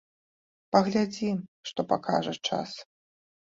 Паглядзім, што пакажа час!